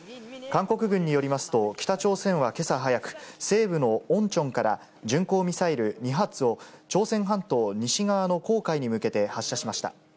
韓国軍によりますと、北朝鮮はけさ早く、西部のオンチョンから、巡航ミサイル２発を、朝鮮半島西側の黄海に向けて発射しました。